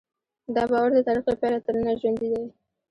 دا باور د تاریخ له پیله تر ننه ژوندی دی.